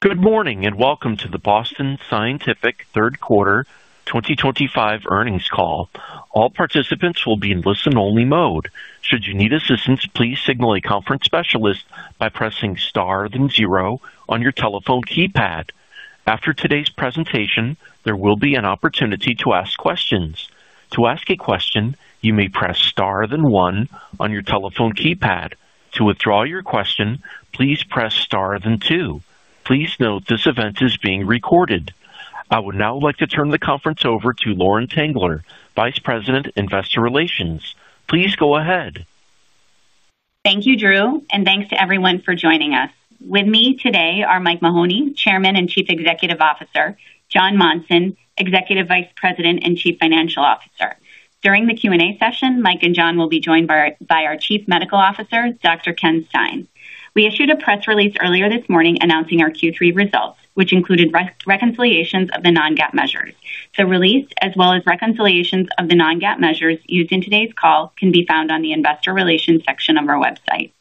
Good morning and welcome to the Boston Scientific third quarter 2025 earnings call. All participants will be in listen-only mode. Should you need assistance, please signal a conference specialist by pressing star then zero on your telephone keypad. After today's presentation, there will be an opportunity to ask questions. To ask a question, you may press star then one on your telephone keypad. To withdraw your question, please press star then two. Please note this event is being recorded. I would now like to turn the conference over to Lauren Tengler, Vice President, Investor Relations. Please go ahead. Thank you, Drew, and thanks to everyone for joining us. With me today are Mike Mahoney, Chairman and Chief Executive Officer, and Jon Monson, Executive Vice President and Chief Financial Officer. During the Q&A session, Mike and Jon will be joined by our Chief Medical Officer, Dr. Ken Stein. We issued a press release earlier this morning announcing our Q3 results, which included reconciliations of the non-GAAP measures. The release, as well as reconciliations of the non-GAAP measures used in today's call, can be found on the Investor Relations section of our website.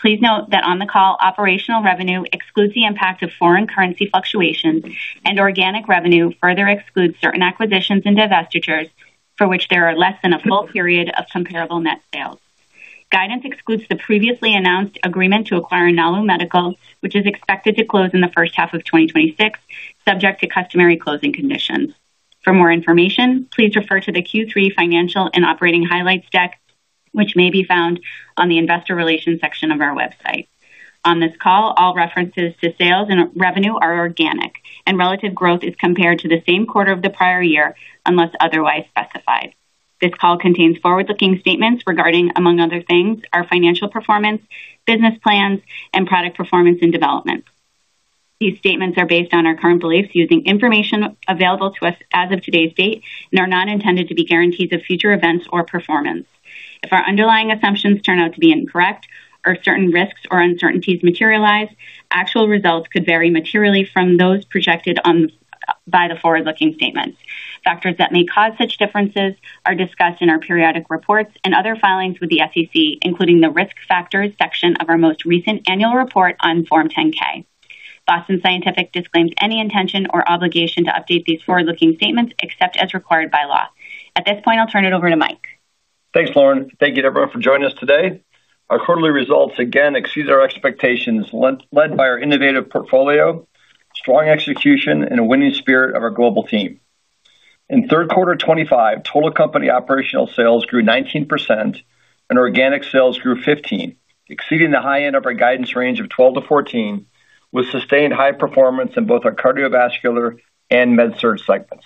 Please note that on the call, operational revenue excludes the impact of foreign currency fluctuations, and organic revenue further excludes certain acquisitions and divestitures for which there are less than a full period of comparable net sales. Guidance excludes the previously announced agreement to acquire Nalu Medical, which is expected to close in the first half of 2026, subject to customary closing conditions. For more information, please refer to the Q3 Financial and Operating Highlights deck, which may be found on the Investor Relations section of our website. On this call, all references to sales and revenue are organic, and relative growth is compared to the same quarter of the prior year unless otherwise specified. This call contains forward-looking statements regarding, among other things, our financial performance, business plans, and product performance and development. These statements are based on our current beliefs using information available to us as of today's date and are not intended to be guarantees of future events or performance. If our underlying assumptions turn out to be incorrect or certain risks or uncertainties materialize, actual results could vary materially from those projected by the forward-looking statements. Factors that may cause such differences are discussed in our periodic reports and other filings with the SEC, including the Risk Factors section of our most recent annual report on Form 10-K. Boston Scientific disclaims any intention or obligation to update these forward-looking statements except as required by law. At this point, I'll turn it over to Mike. Thanks, Lauren. Thank you, everyone, for joining us today. Our quarterly results again exceed our expectations, led by our innovative portfolio, strong execution, and a winning spirit of our global team. In third quarter 2025, total company operational sales grew 19%, and organic sales grew 15%, exceeding the high end of our guidance range of 12%-14% with sustained high performance in both our cardiovascular and MedSurg segments.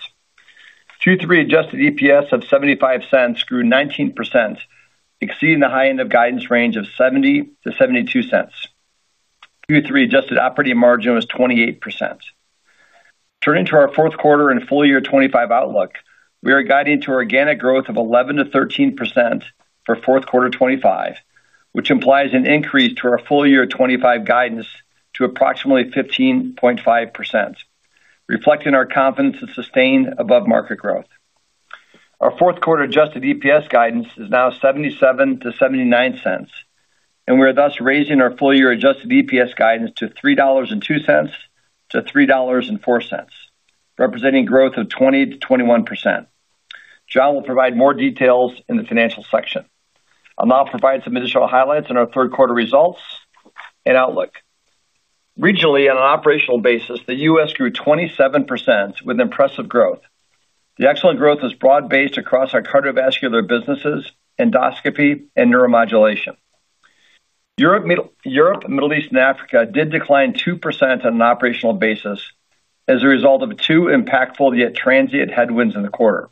Q3 adjusted EPS of $0.75 grew 19%, exceeding the high end of guidance range of $0.70-$0.72. Q3 adjusted operating margin was 28%. Turning to our fourth quarter and full year 2025 outlook, we are guiding to organic growth of 11% to 13% for fourth quarter 2025, which implies an increase to our full year 2025 guidance to approximately 15.5%, reflecting our confidence to sustain above market growth. Our fourth quarter adjusted EPS guidance is now $0.77-$0.79, and we are thus raising our full year adjusted EPS guidance to $3.02-$3.04, representing growth of 20% to 21%. Jon will provide more details in the financial section. I'll now provide some additional highlights on our third quarter results and outlook. Regionally, on an operational basis, the U.S. grew 27% with impressive growth. The excellent growth is broad-based across our cardiovascular businesses, endoscopy, and neuromodulation. Europe, Middle East, and Africa did decline 2% on an operational basis as a result of two impactful yet transient headwinds in the quarter.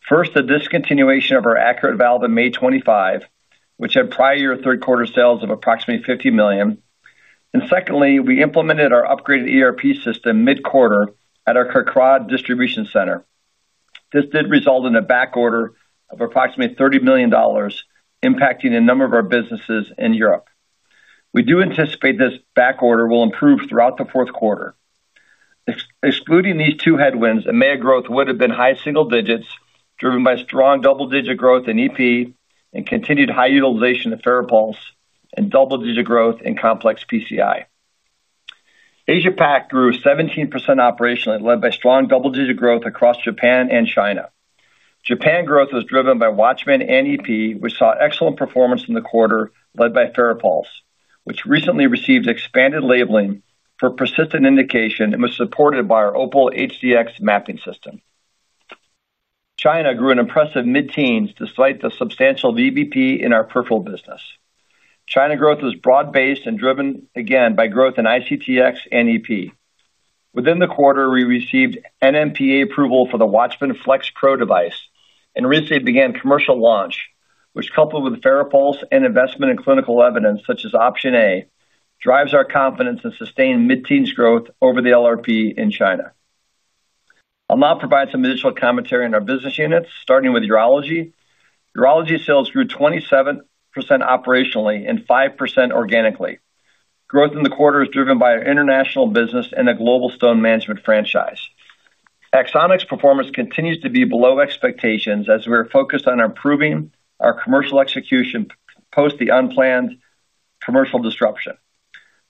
First, a discontinuation of our ACURATE valve on May 2025, which had prior year third quarter sales of approximately $50 million. Secondly, we implemented our upgraded ERP system mid-quarter at our Kerkrade distribution center. This did result in a backorder of approximately $30 million, impacting a number of our businesses in Europe. We do anticipate this backorder will improve throughout the fourth quarter. Excluding these two headwinds, the EMEA growth would have been high single digits, driven by strong double-digit growth in electrophysiology and continued high utilization of FARAPULSE and double-digit growth in complex PCI. Asia-Pac grew 17% operationally, led by strong double-digit growth across Japan and China. Japan growth was driven by WATCHMAN and EP, which saw excellent performance in the quarter, led by FARAPULSE, which recently received expanded labeling for persistent indication and was supported by our OPAL HDx mapping system. China grew an impressive mid-teens despite the substantial VBP in our peripheral business. China growth was broad-based and driven again by growth in ICTx and EP. Within the quarter, we received NMPA approval for the WATCHMAN FLX Pro device and recently began commercial launch, which, coupled with FARAPULSE and investment in clinical evidence, such as Option A, drives our confidence and sustained mid-teens growth over the LRP in China. I'll now provide some additional commentary on our business units, starting with Urology. Urology sales grew 27% operationally and 5% organically. Growth in the quarter is driven by our international business and the Global Stone Management franchise. Axonics performance continues to be below expectations as we are focused on improving our commercial execution post the unplanned commercial disruption.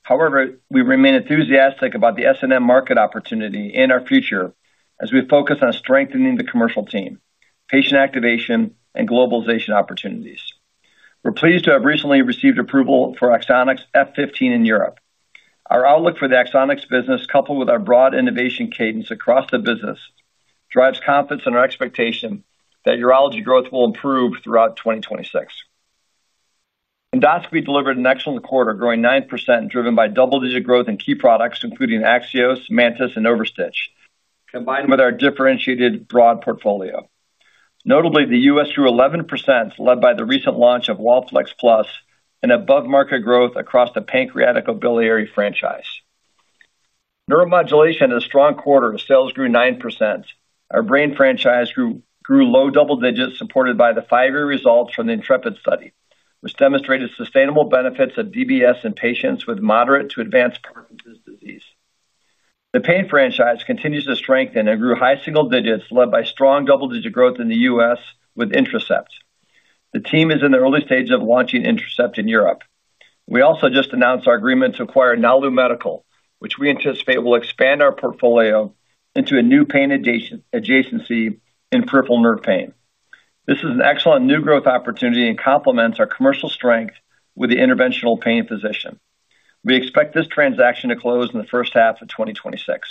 However, we remain enthusiastic about the S&M market opportunity and our future as we focus on strengthening the commercial team, patient activation, and globalization opportunities. We're pleased to have recently received approval for Axonics F15 in Europe. Our outlook for the Axonics business, coupled with our broad innovation cadence across the business, drives confidence in our expectation that Urology growth will improve throughout 2026. Endoscopy delivered an excellent quarter, growing 9%, driven by double-digit growth in key products, including AXIOS, MANTIS, and OverStitch, combined with our differentiated broad portfolio. Notably, the U.S. grew 11%, led by the recent launch of WallFlex PLUS and above-market growth across the pancreaticobiliary franchise. Neuromodulation had a strong quarter. Sales grew 9%. Our brain franchise grew low double digits, supported by the five-year results from the Intrepid study, which demonstrated sustainable benefits of DBS in patients with moderate to advanced Parkinson's disease. The pain franchise continues to strengthen and grew high single digits, led by strong double-digit growth in the U.S. with Intracept. The team is in the early stages of launching Intracept in Europe. We also just announced our agreement to acquire Nalu Medical, which we anticipate will expand our portfolio into a new pain adjacency in peripheral nerve pain. This is an excellent new growth opportunity and complements our commercial strength with the interventional pain physician. We expect this transaction to close in the first half of 2026.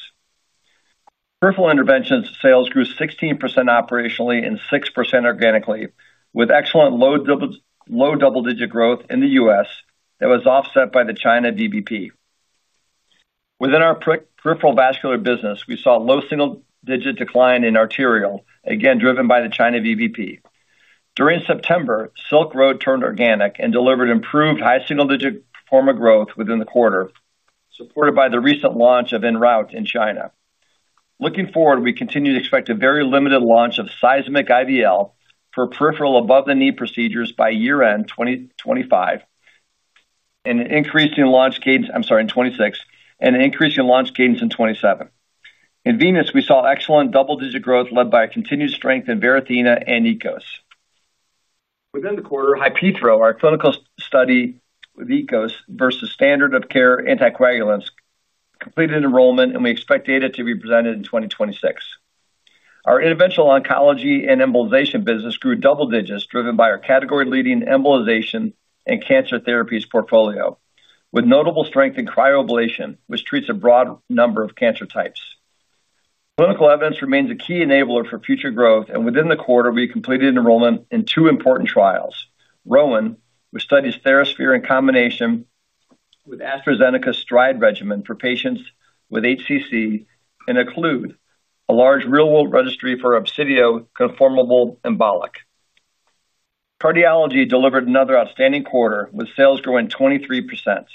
Peripheral interventions sales grew 16% operationally and 6% organically, with excellent low double-digit growth in the U.S. that was offset by the China VBP. Within our peripheral vascular business, we saw a low single-digit decline in arterial, again driven by the China VBP. During September, Silk Road turned organic and delivered improved high single-digit performer growth within the quarter, supported by the recent launch of ENROUTE in China. Looking forward, we continue to expect a very limited launch of Seismic IVL for peripheral above-the-knee procedures by year-end 2025 and an increase in launch cadence in 2026, and an increase in launch cadence in 2027. In venous, we saw excellent double-digit growth led by continued strength in Varithena and EKOS. Within the quarter, HI-PEITHO, our clinical study with EKOS versus standard-of-care anticoagulants, completed enrollment, and we expect data to be presented in 2026. Our interventional oncology and embolization business grew double digits, driven by our category-leading embolization and cancer therapies portfolio, with notable strength in cryoablation, which treats a broad number of cancer types. Clinical evidence remains a key enabler for future growth, and within the quarter, we completed enrollment in two important trials: ROWAN, which studies TheraSphere in combination with AstraZeneca's STRIDE regimen for patients with HCC, and OCCLUDE, a large real-world registry for Obsidio conformable embolic. Cardiology delivered another outstanding quarter with sales growing 23%.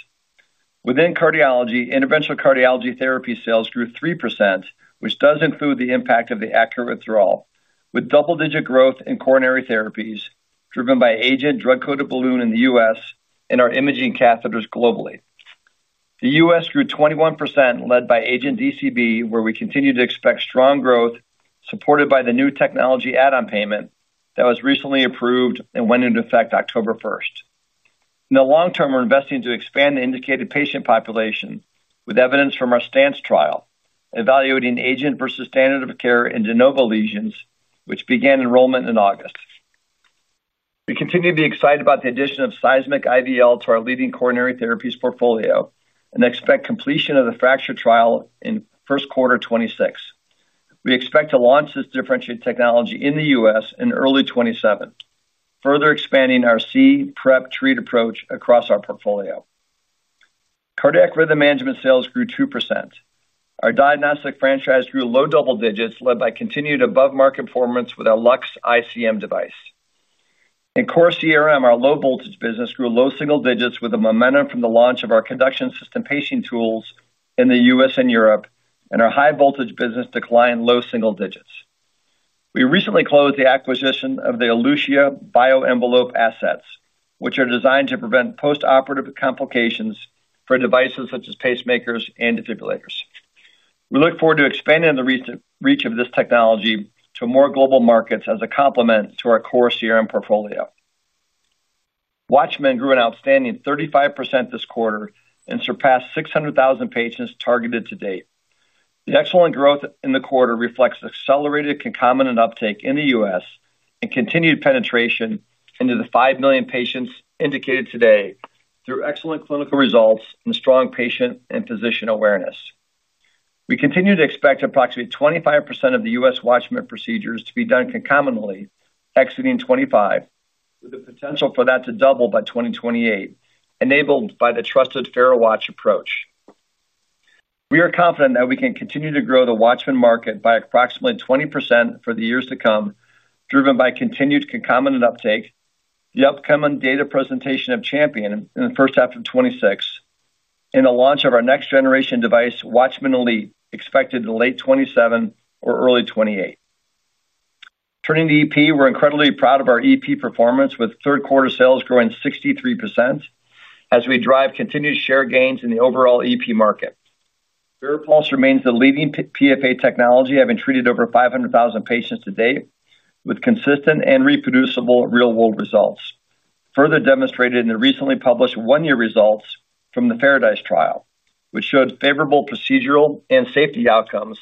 Within cardiology, interventional cardiology therapy sales grew 3%, which does include the impact of the ACURATE withdrawal, with double-digit growth in coronary therapies, driven by AGENT drug-coated balloon in the U.S. and our imaging catheters globally. The U.S. grew 21%, led by AGENT DCB, where we continue to expect strong growth, supported by the new technology add-on payment that was recently approved and went into effect October 1st. In the long term, we're investing to expand the indicated patient population with evidence from our STANCE trial, evaluating AGENT versus standard of care in de novo lesions, which began enrollment in August. We continue to be excited about the addition of Seismic IVL to our leading coronary therapies portfolio and expect completion of the FRACTURE trial in first quarter 2026. We expect to launch this differentiated technology in the U.S. in early 2027, further expanding our C-Prep treat approach across our portfolio. Cardiac rhythm management sales grew 2%. Our diagnostic franchise grew low double digits, led by continued above-market performance with our LUX ICM device. In core CRM, our low voltage business grew low single digits with the momentum from the launch of our conduction system pacing tools in the U.S. and Europe, and our high voltage business declined low single digits. We recently closed the acquisition of the Elutia BioEnvelope assets, which are designed to prevent postoperative complications for devices such as pacemakers and defibrillators. We look forward to expanding the reach of this technology to more global markets as a complement to our core CRM portfolio. WATCHMAN grew an outstanding 35% this quarter and surpassed 600,000 patients targeted to date. The excellent growth in the quarter reflects accelerated concomitant uptake in the U.S. and continued penetration into the 5 million patients indicated today through excellent clinical results and strong patient and physician awareness. We continue to expect approximately 25% of the U.S. WATCHMAN procedures to be done concomitantly, exiting 2025, with the potential for that to double by 2028, enabled by the trusted FARA WATCH approach. We are confident that we can continue to grow the WATCHMAN market by approximately 20% for the years to come, driven by continued concomitant uptake, the upcoming data presentation of CHAMPION in the first half of 2026, and the launch of our next generation device, WATCHMAN Elite, expected in late 2027 or early 2028. Turning to EP, we're incredibly proud of our EP performance, with third quarter sales growing 63% as we drive continued share gains in the overall EP market. FARAPULSE remains the leading PFA technology, having treated over 500,000 patients to date with consistent and reproducible real-world results, further demonstrated in the recently published one-year results from the FARADISE trial, which showed favorable procedural and safety outcomes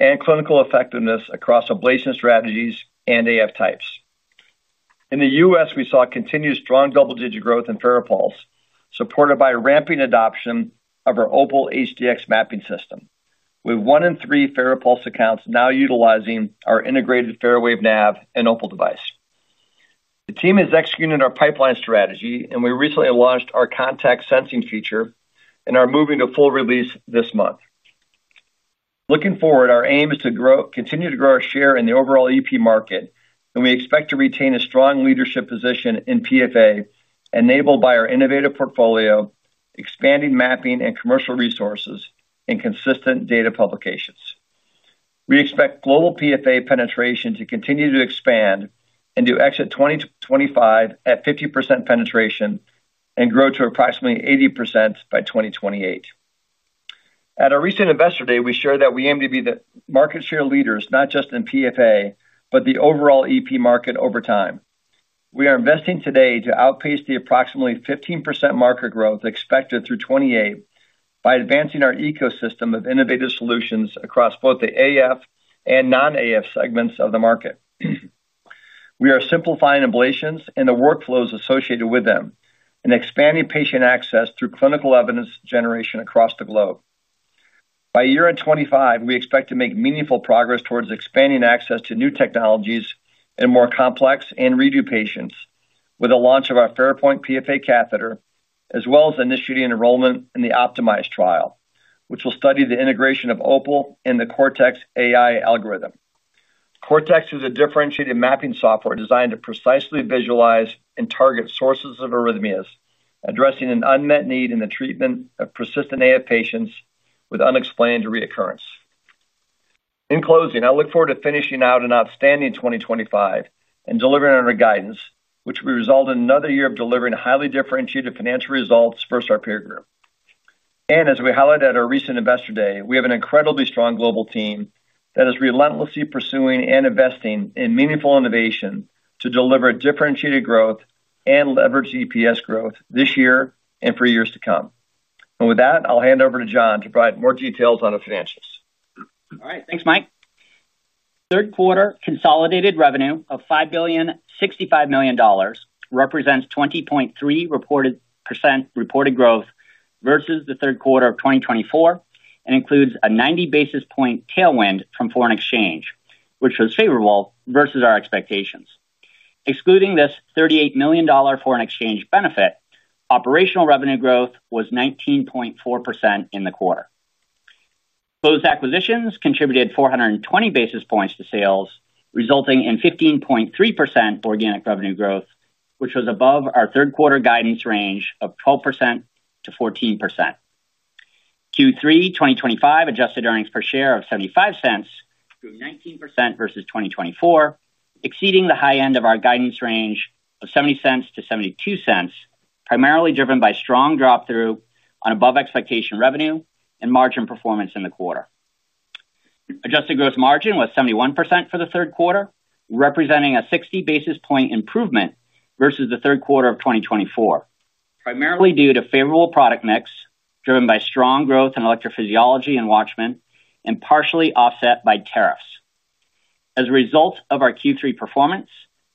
and clinical effectiveness across ablation strategies and AF types. In the U.S., we saw continued strong double-digit growth in FARAPULSE, supported by ramping adoption of our OPAL HDx mapping system, with one in three FARAPULSE accounts now utilizing our integrated FARAWAVE NAV and OPAL device. The team is executing our pipeline strategy, and we recently launched our contact sensing feature and are moving to full release this month. Looking forward, our aim is to continue to grow our share in the overall EP market, and we expect to retain a strong leadership position in PFA, enabled by our innovative portfolio, expanding mapping and commercial resources, and consistent data publications. We expect global PFA penetration to continue to expand and to exit 2025 at 50% penetration and grow to approximately 80% by 2028. At our recent investor day, we shared that we aim to be the market share leaders, not just in PFA, but the overall EP market over time. We are investing today to outpace the approximately 15% market growth expected through 2028 by advancing our ecosystem of innovative solutions across both the AF and non-AF segments of the market. We are simplifying ablations and the workflows associated with them and expanding patient access through clinical evidence generation across the globe. By year-end 2025, we expect to make meaningful progress towards expanding access to new technologies and more complex and redo patients with the launch of our FARAPULSE PFA catheter, as well as initiating enrollment in the OPTIMIZE trial, which will study the integration of OPAL and the Cortex AI algorithm. Cortex is a differentiated mapping software designed to precisely visualize and target sources of arrhythmias, addressing an unmet need in the treatment of persistent AF patients with unexplained reoccurrence. In closing, I look forward to finishing out an outstanding 2025 and delivering under guidance, which will result in another year of delivering highly differentiated financial results for our peer group. As we highlighted at our recent investor day, we have an incredibly strong global team that is relentlessly pursuing and investing in meaningful innovation to deliver differentiated growth and leverage EPS growth this year and for years to come. With that, I'll hand over to Jon to provide more details on the financials. All right. Thanks, Mike. Third quarter consolidated revenue of $5.065 billion represents 20.3% reported growth versus the third quarter of 2024 and includes a 90 basis point tailwind from foreign exchange, which was favorable versus our expectations. Excluding this $38 million foreign exchange benefit, operational revenue growth was 19.4% in the quarter. Closed acquisitions contributed 420 basis points to sales, resulting in 15.3% organic revenue growth, which was above our third quarter guidance range of 12%-14%. Q3 2025 adjusted earnings per share of $0.75 grew 19% versus 2024, exceeding the high end of our guidance range of $0.70-$0.72, primarily driven by strong drop through on above-expectation revenue and margin performance in the quarter. Adjusted gross margin was 71% for the third quarter, representing a 60 basis point improvement versus the third quarter of 2024, primarily due to favorable product mix driven by strong growth in electrophysiology and WATCHMAN and partially offset by tariffs. As a result of our Q3 performance,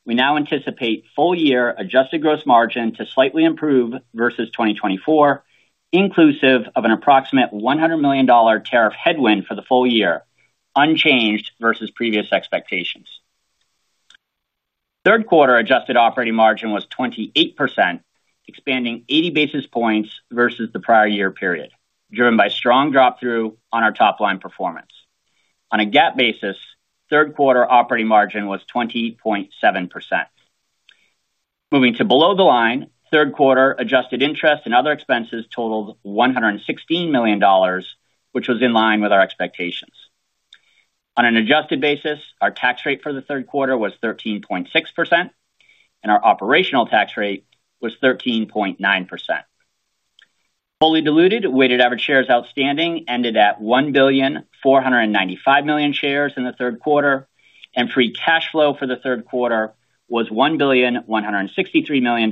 we now anticipate full-year adjusted gross margin to slightly improve versus 2024, inclusive of an approximate $100 million tariff headwind for the full year, unchanged versus previous expectations. Third quarter adjusted operating margin was 28%, expanding 80 basis points versus the prior year period, driven by strong drop through on our top-line performance. On a GAAP basis, third quarter operating margin was 20.7%. Moving to below the line, third quarter adjusted interest and other expenses totaled $116 million, which was in line with our expectations. On an adjusted basis, our tax rate for the third quarter was 13.6%, and our operational tax rate was 13.9%. Fully diluted, weighted average shares outstanding ended at 1.495 billion shares in the third quarter, and free cash flow for the third quarter was $1.163 billion,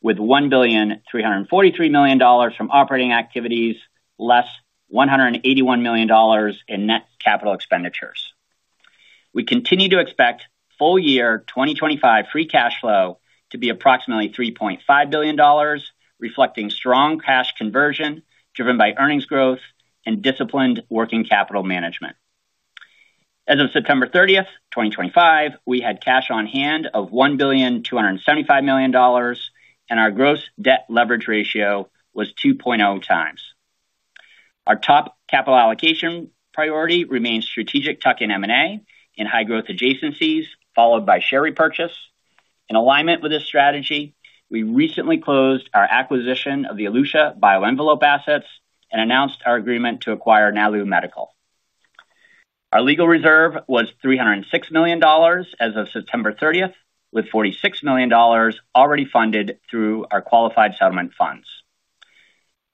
with $1.343 billion from operating activities, less $181 million in net capital expenditures. We continue to expect full-year 2025 free cash flow to be approximately $3.5 billion, reflecting strong cash conversion driven by earnings growth and disciplined working capital management. As of September 30th, 2025, we had cash on hand of $1.275 billion, and our gross debt leverage ratio was 2.0x. Our top capital allocation priority remains strategic tuck-in M&A in high growth adjacencies, followed by share repurchase. In alignment with this strategy, we recently closed our acquisition of the Elutia Bioenvelope assets and announced our agreement to acquire Nalu Medical. Our legal reserve was $306 million as of September 30th, with $46 million already funded through our qualified settlement funds.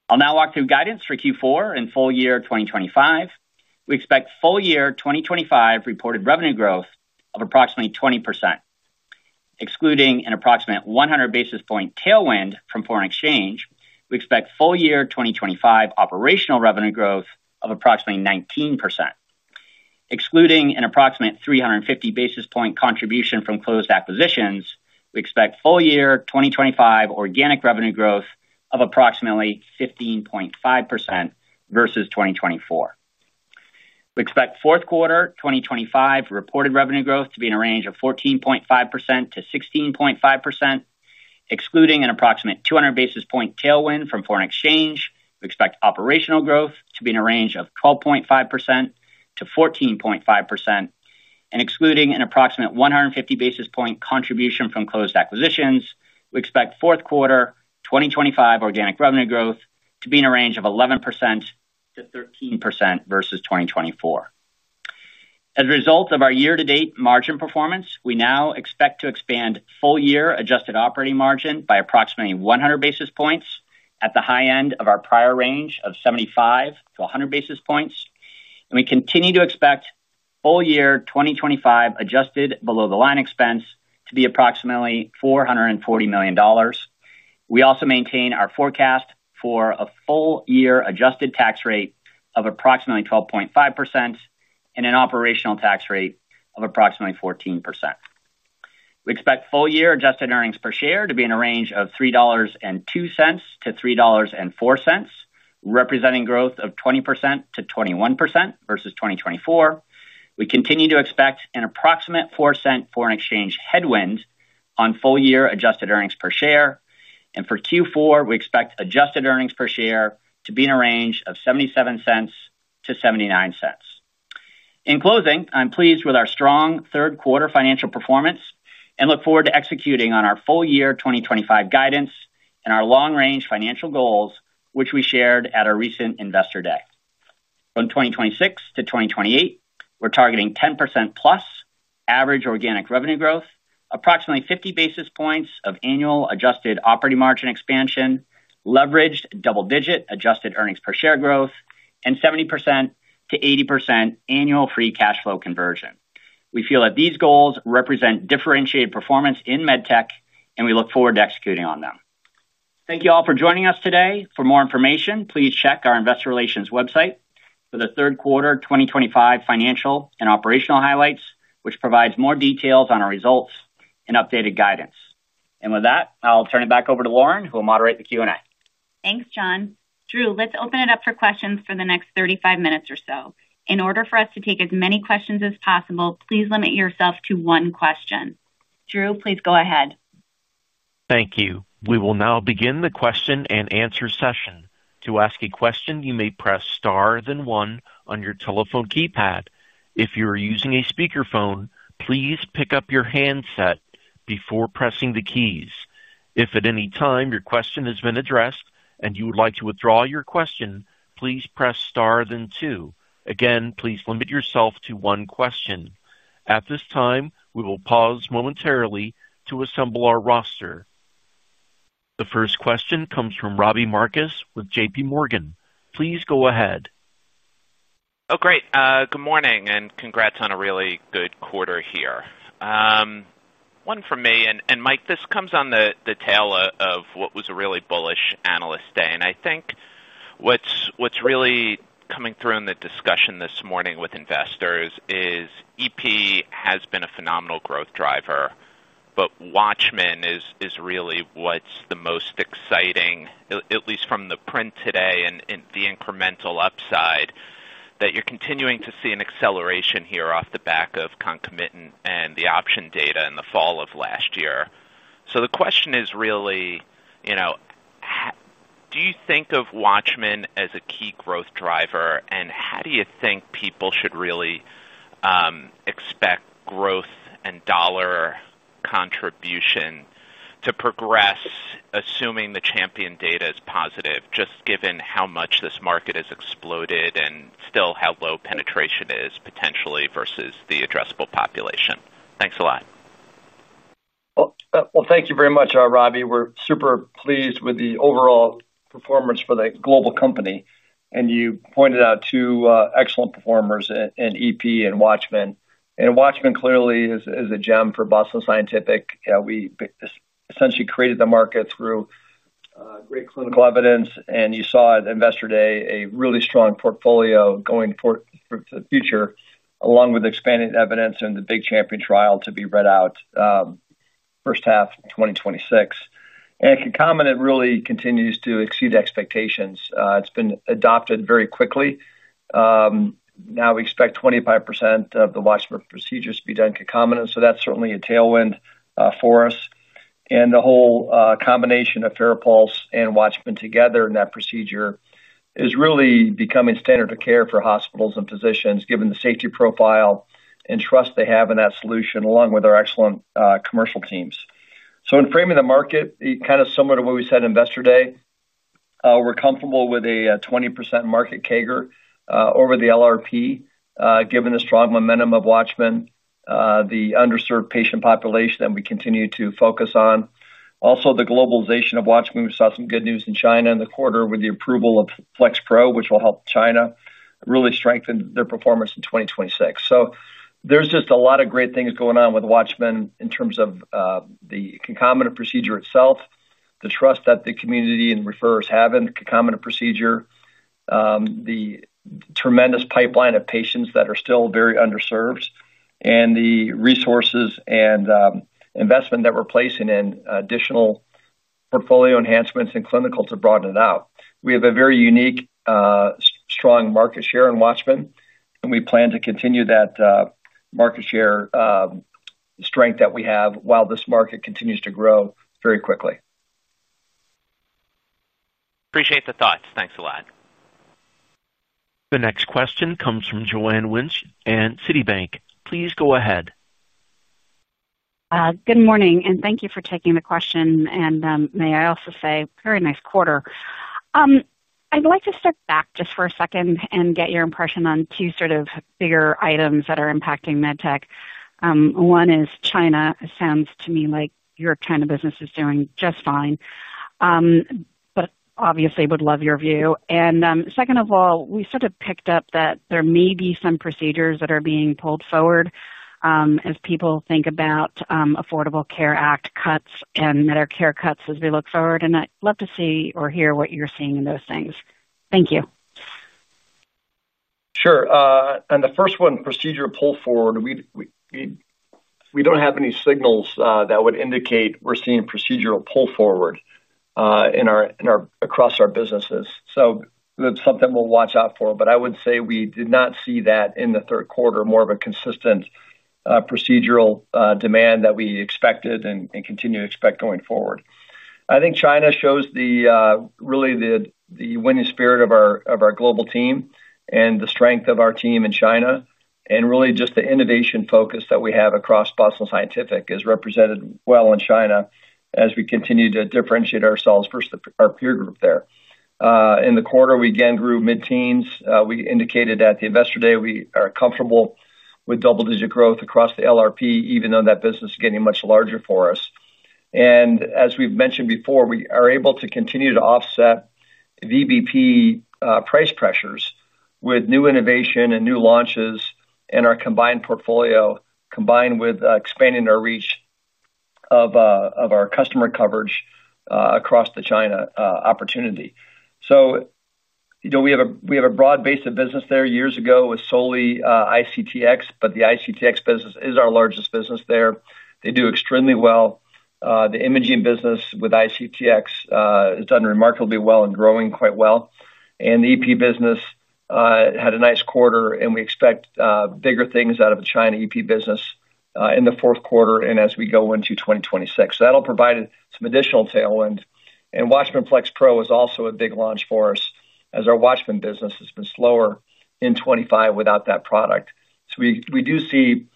I'll now walk through guidance for Q4 and full-year 2025. We expect full-year 2025 reported revenue growth of approximately 20%, excluding an approximate 100 basis point tailwind from foreign exchange. We expect full-year 2025 operational revenue growth of approximately 19%, excluding an approximate 350 basis point contribution from closed acquisitions. We expect full-year 2025 organic revenue growth of approximately 15.5% versus 2024. We expect fourth quarter 2025 reported revenue growth to be in a range of 14.5%-16.5%, excluding an approximate 200 basis point tailwind from foreign exchange. We expect operational growth to be in a range of 12.5%-14.5%, and excluding an approximate 150 basis point contribution from closed acquisitions. We expect fourth quarter 2025 organic revenue growth to be in a range of 11%-13% versus 2024. As a result of our year-to-date margin performance, we now expect to expand full-year adjusted operating margin by approximately 100 basis points at the high end of our prior range of 75-100 basis points. We continue to expect full-year 2025 adjusted below the line expense to be approximately $440 million. We also maintain our forecast for a full-year adjusted tax rate of approximately 12.5% and an operational tax rate of approximately 14%. We expect full-year adjusted earnings per share to be in a range of $3.02-$3.04, representing growth of 20% to 21% versus 2024. We continue to expect an approximate $0.04 foreign exchange headwind on full-year adjusted earnings per share. For Q4, we expect adjusted earnings per share to be in a range of $0.77-$0.79. In closing, I'm pleased with our strong third quarter financial performance and look forward to executing on our full-year 2025 guidance and our long-range financial goals, which we shared at our recent investor day. From 2026 to 2028, we're targeting 10%+ average organic revenue growth, approximately 50 basis points of annual adjusted operating margin expansion, leveraged double-digit adjusted earnings per share growth, and 70%-80% annual free cash flow conversion. We feel that these goals represent differentiated performance in medtech, and we look forward to executing on them. Thank you all for joining us today. For more information, please check our Investor Relations website for the third quarter 2025 financial and operational highlights, which provides more details on our results and updated guidance. I'll turn it back over to Lauren, who will moderate the Q&A. Thanks, Jon. Drew, let's open it up for questions for the next 35 minutes or so. In order for us to take as many questions as possible, please limit yourself to one question. Drew, please go ahead. Thank you. We will now begin the question and answer session. To ask a question, you may press star then one on your telephone keypad. If you are using a speakerphone, please pick up your handset before pressing the keys. If at any time your question has been addressed and you would like to withdraw your question, please press star then two. Again, please limit yourself to one question. At this time, we will pause momentarily to assemble our roster. The first question comes from Robbie Marcus with JPMorgan. Please go ahead. Oh, great. Good morning and congrats on a really good quarter here. One for me. Mike, this comes on the tail of what was a really bullish analyst day. I think what's really coming through in the discussion this morning with investors is EP has been a phenomenal growth driver, but WATCHMAN is really what's the most exciting, at least from the print today and the incremental upside that you're continuing to see an acceleration here off the back of concomitant and the option data in the fall of last year. The question is really, do you think of WATCHMAN as a key growth driver? How do you think people should really expect growth and dollar contribution to progress, assuming the CHAMPION data is positive, just given how much this market has exploded and still how low penetration is potentially versus the addressable population? Thanks a lot. Thank you very much, Robbie. We're super pleased with the overall performance for the global company. You pointed out two excellent performers in electrophysiology and WATCHMAN. WATCHMAN clearly is a gem for Boston Scientific. We essentially created the market through great clinical evidence. You saw at investor day a really strong portfolio going forward for the future, along with expanded evidence and the big CHAMPION trial to be read out first half 2026. Concomitant really continues to exceed expectations. It's been adopted very quickly. We expect 25% of the WATCHMAN procedures to be done at concomitant. That's certainly a tailwind for us. The whole combination of FARAPULSE and WATCHMAN together in that procedure is really becoming standard of care for hospitals and physicians, given the safety profile and trust they have in that solution, along with our excellent commercial teams. In framing the market, kind of similar to what we said in investor day, we're comfortable with a 20% market CAGR over the LRP, given the strong momentum of WATCHMAN, the underserved patient population that we continue to focus on. Also, the globalization of WATCHMAN, we saw some good news in China in the quarter with the approval of FLX Pro, which will help China really strengthen their performance in 2026. There's just a lot of great things going on with WATCHMAN in terms of the concomitant procedure itself, the trust that the community and referrers have in the concomitant procedure, the tremendous pipeline of patients that are still very underserved, and the resources and investment that we're placing in additional portfolio enhancements and clinical to broaden it out. We have a very unique strong market share in WATCHMAN, and we plan to continue that market share strength that we have while this market continues to grow very quickly. Appreciate the thoughts. Thanks a lot. The next question comes from Joanne Wuensch at Citibank. Please go ahead. Good morning, and thank you for taking the question. May I also say, very nice quarter. I'd like to step back just for a second and get your impression on two sort of bigger items that are impacting medtech. One is China. It sounds to me like your China business is doing just fine. Obviously, I would love your view. Second of all, we sort of picked up that there may be some procedures that are being pulled forward as people think about Affordable Care Act cuts and Medicare cuts as we look forward. I'd love to see or hear what you're seeing in those things. Thank you. Sure. The first one, procedure pull forward, we don't have any signals that would indicate we're seeing procedural pull forward across our businesses. That's something we'll watch out for. I would say we did not see that in the third quarter, more of a consistent procedural demand that we expected and continue to expect going forward. I think China shows really the winning spirit of our global team and the strength of our team in China. Really just the innovation focus that we have across Boston Scientific is represented well in China as we continue to differentiate ourselves versus our peer group there. In the quarter, we again grew mid-teens. We indicated at the investor day we are comfortable with double-digit growth across the LRP, even though that business is getting much larger for us. As we've mentioned before, we are able to continue to offset VBP price pressures with new innovation and new launches in our combined portfolio, combined with expanding our reach of our customer coverage across the China opportunity. We have a broad base of business there. Years ago, it was solely ICTx, but the ICTx business is our largest business there. They do extremely well. The imaging business with ICTx has done remarkably well and growing quite well. The EP business had a nice quarter, and we expect bigger things out of the China EP business in the fourth quarter and as we go into 2026. That'll provide some additional tailwind. WATCHMAN FLX Pro is also a big launch for us as our WATCHMAN business has been slower in 2025 without that product. We do see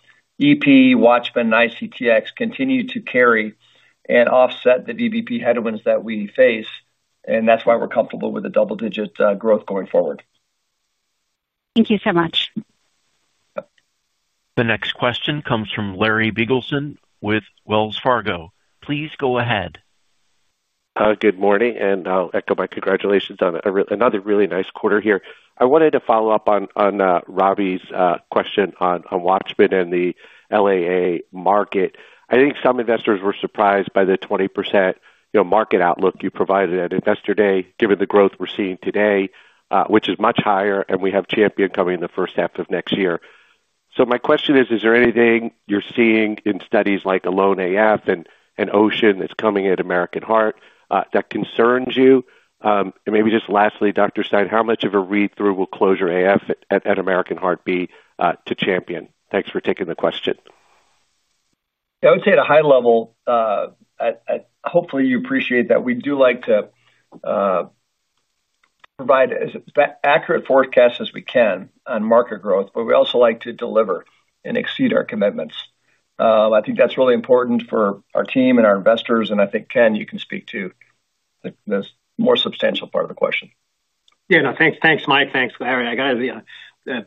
EP, WATCHMAN, and ICTx continue to carry and offset the VBP headwinds that we face. That's why we're comfortable with the double-digit growth going forward. Thank you so much. The next question comes from Larry Biegelsen with Wells Fargo. Please go ahead. Good morning. I'll echo my congratulations on another really nice quarter here. I wanted to follow up on Robbie's question on WATCHMAN and the LAA market. I think some investors were surprised by the 20% market outlook you provided at investor day, given the growth we're seeing today, which is much higher, and we have CHAMPION coming in the first half of next year. My question is, is there anything you're seeing in studies like ALONE-AF and OCEAN that's coming at American Heart that concerns you? Maybe just lastly, Dr. Stein, how much of a read-through will closure AF at American Heart be to CHAMPION? Thanks for taking the question. I would say at a high level, hopefully you appreciate that we do like to provide as ACURATE forecasts as we can on market growth, but we also like to deliver and exceed our commitments. I think that's really important for our team and our investors. I think, Ken, you can speak to the more substantial part of the question. Yeah, no, thanks, Mike. Thanks, Larry. I got to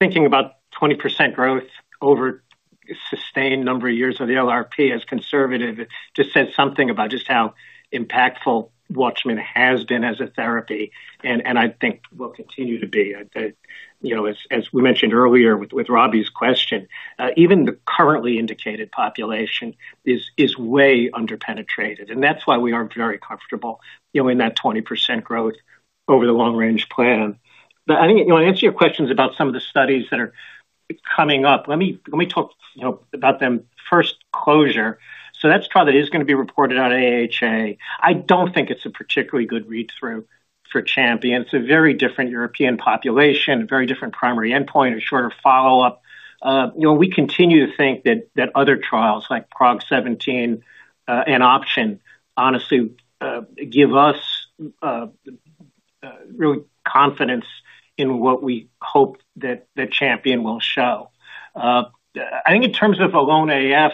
thinking about 20% growth over a sustained number of years of the LRP as conservative, it just says something about just how impactful WATCHMAN has been as a therapy. I think will continue to be. As we mentioned earlier with Robbie's question, even the currently indicated population is way underpenetrated. That's why we are very comfortable in that 20% growth over the long-range plan. I think I'll answer your questions about some of the studies that are coming up. Let me talk about them. First, closure. That's a trial that is going to be reported on AHA. I don't think it's a particularly good read-through for CHAMPION. It's a very different European population, a very different primary endpoint, a shorter follow-up. We continue to think that other trials like PROG-17 and OPTION honestly give us real confidence in what we hope that CHAMPION will show. I think in terms of ALONE-AF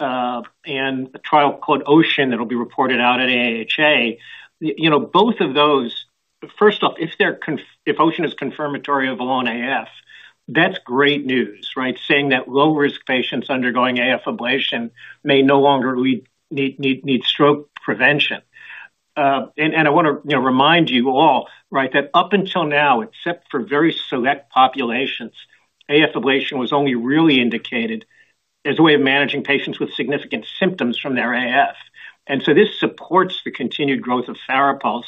and a trial called OCEAN that will be reported out at AHA, both of those, first off, if OCEAN is confirmatory of ALONE-AF, that's great news, right? Saying that low-risk patients undergoing AF ablation may no longer need stroke prevention. I want to remind you all that up until now, except for very select populations, AF ablation was only really indicated as a way of managing patients with significant symptoms from their AF. This supports the continued growth of FARAPULSE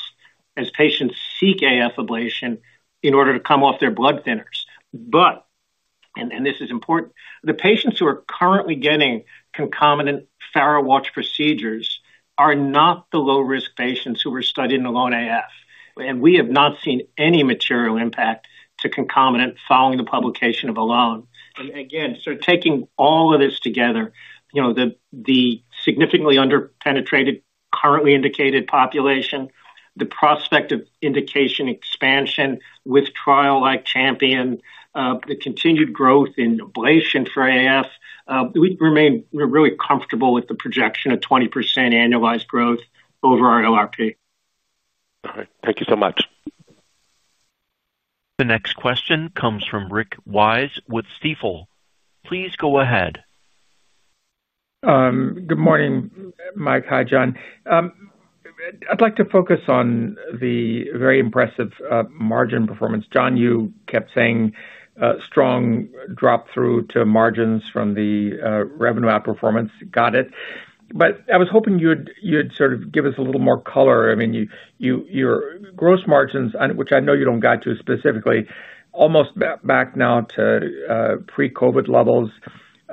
as patients seek AF ablation in order to come off their blood thinners. This is important, the patients who are currently getting concomitant Therawatch procedures are not the low-risk patients who were studied in ALONE-AF. We have not seen any material impact to concomitant following the publication of ALONE. Again, sort of taking all of this together, the significantly underpenetrated currently indicated population, the prospect of indication expansion with trial like CHAMPION, the continued growth in ablation for AF, we remain really comfortable with the projection of 20% annualized growth over our LRP. All right, thank you so much. The next question comes from Rick Wise with Stifel. Please go ahead. Good morning, Mike. Hi, Jon. I'd like to focus on the very impressive margin performance. Jon, you kept saying strong drop through to margins from the revenue app performance. Got it. I was hoping you would sort of give us a little more color. I mean, your gross margins, which I know you don't go to specifically, almost back now to pre-COVID levels.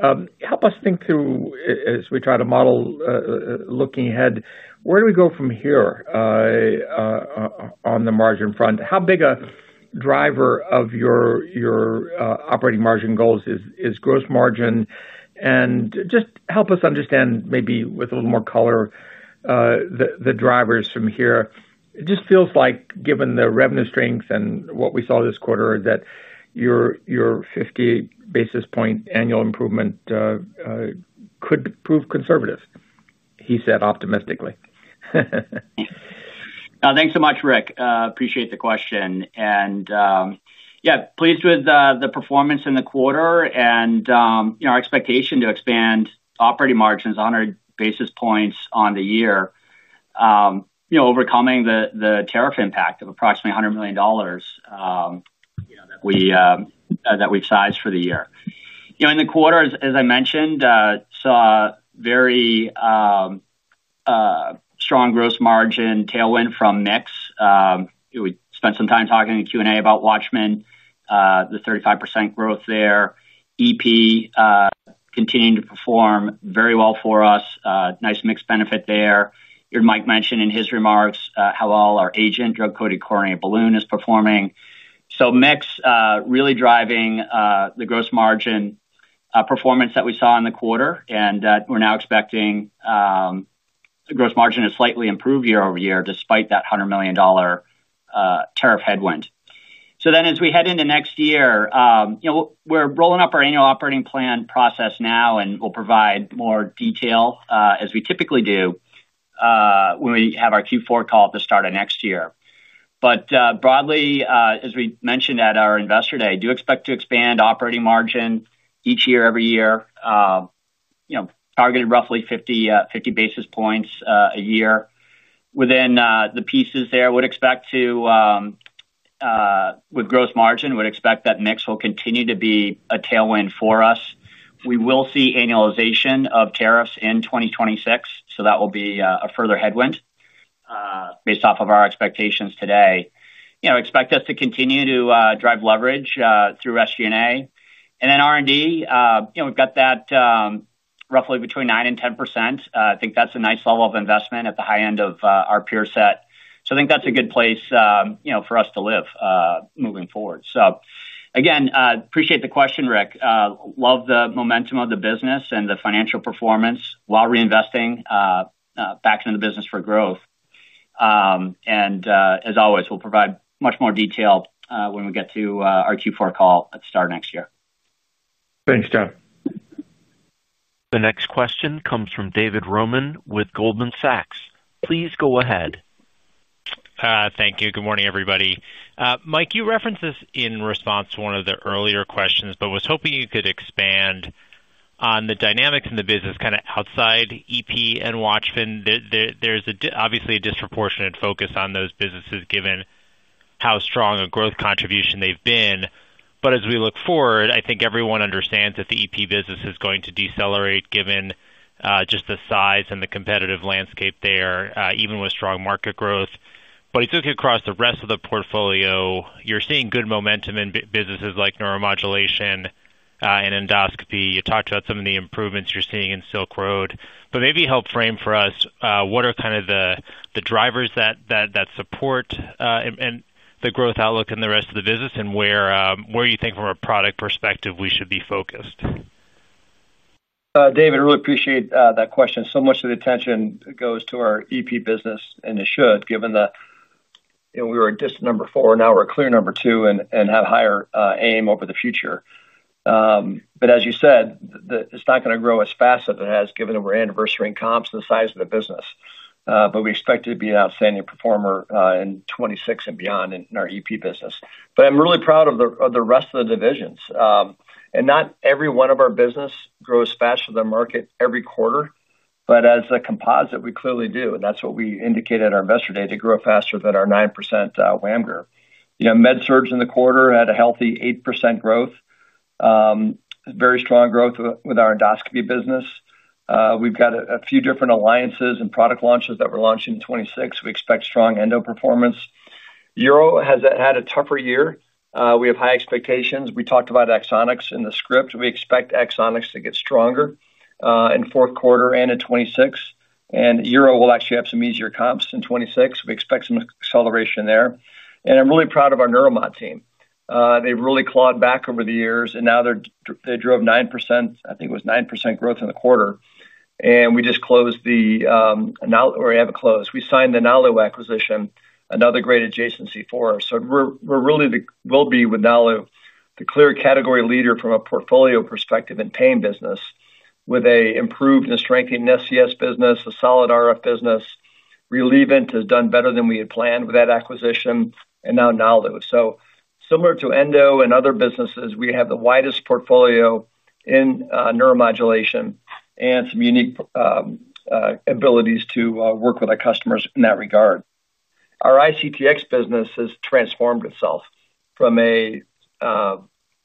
Help us think through as we try to model, looking ahead, where do we go from here on the margin front? How big a driver of your operating margin goals is gross margin? Just help us understand maybe with a little more color the drivers from here. It just feels like given the revenue strength and what we saw this quarter that your 50 basis point annual improvement could prove conservative, he said optimistically. Thanks so much, Rick. Appreciate the question. Yeah, pleased with the performance in the quarter and our expectation to expand operating margins 100 basis points on the year, overcoming the tariff impact of approximately $100 million that we've sized for the year. In the quarter, as I mentioned, saw a very strong gross margin tailwind from [Nix]. We spent some time talking in Q&A about WATCHMAN, the 35% growth there. EP continued to perform very well for us. Nice mixed benefit there. You heard Mike mention in his remarks how well our agent drug-coated coronary balloon is performing. [Nix] really driving the gross margin performance that we saw in the quarter. We're now expecting the gross margin to slightly improve year over year despite that $100 million tariff headwind. As we head into next year, we're rolling up our annual operating plan process now and will provide more detail as we typically do when we have our Q4 call at the start of next year. Broadly, as we mentioned at our investor day, do expect to expand operating margin each year, every year, targeted roughly 50 basis points a year. Within the pieces there, would expect to, with gross margin, would expect that [Nix] will continue to be a tailwind for us. We will see annualization of tariffs in 2026. That will be a further headwind based off of our expectations today. Expect us to continue to drive leverage through SG&A. R&D, we've got that roughly between 9% and 10%. I think that's a nice level of investment at the high end of our peer set. I think that's a good place for us to live moving forward. Again, appreciate the question, Rick. Love the momentum of the business and the financial performance while reinvesting back into the business for growth. As always, we'll provide much more detail when we get to our Q4 call at the start of next year. Thanks, Jon. The next question comes from David Roman with Goldman Sachs. Please go ahead. Thank you. Good morning, everybody. Mike, you referenced this in response to one of the earlier questions, but was hoping you could expand on the dynamics in the business kind of outside EP and WATCHMAN. There's obviously a disproportionate focus on those businesses given how strong a growth contribution they've been. As we look forward, I think everyone understands that the EP business is going to decelerate given just the size and the competitive landscape there, even with strong market growth. I took it across the rest of the portfolio, you're seeing good momentum in businesses like neuromodulation and endoscopy. You talked about some of the improvements you're seeing in Silk Road. Maybe help frame for us what are kind of the drivers that support the growth outlook in the rest of the business and where you think from a product perspective we should be focused. David, I really appreciate that question. Much of the attention goes to our EP business, and it should, given that we were at distant number four and now we're a clear number two and have a higher aim over the future. As you said, it's not going to grow as fast as it has, given that we're anniversary in comps and the size of the business. We expect it to be an outstanding performer in 2026 and beyond in our EP business. I'm really proud of the rest of the divisions. Not every one of our businesses grows faster than the market every quarter, but as a composite, we clearly do. That's what we indicated at our investor day, to grow faster than our 9% WAMGR. MedSurg in the quarter had a healthy 8% growth, very strong growth with our endoscopy business. We've got a few different alliances and product launches that we're launching in 2026. We expect strong endoscopy performance. Urology has had a tougher year. We have high expectations. We talked about Axonics in the script. We expect Axonics to get stronger in the fourth quarter and in 2026. Urology will actually have some easier comps in 2026. We expect some acceleration there. I'm really proud of our Neuromod team. They've really clawed back over the years, and now they drove 9%. I think it was 9% growth in the quarter. We just closed the, or we haven't closed. We signed the Nalu acquisition, another great adjacency for us. We will be, with Nalu, the clear category leader from a portfolio perspective in pain business, with an improved and strengthened SCS business, a solid RF business. Relievant has done better than we had planned with that acquisition, and now Nalu. Similar to endoscopy and other businesses, we have the widest portfolio in neuromodulation and some unique abilities to work with our customers in that regard. Our ICTx business has transformed itself from a